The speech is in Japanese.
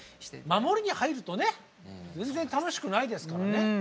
守りに入るとね全然楽しくないですからね。